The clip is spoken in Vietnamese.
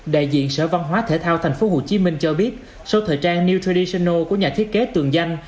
đại diện sở văn hóa thể thao tp hcm cho biết show thời trang new traditional của nhà thiết kế tường danh